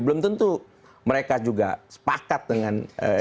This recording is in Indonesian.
belum tentu mereka juga sepakat dengan